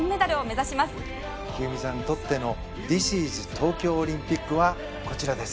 一二三さんにとってのＴｈｉｓｉｓ東京オリンピックはこちらです。